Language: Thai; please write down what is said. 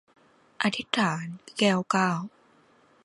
อธิษฐาน - แก้วเก้า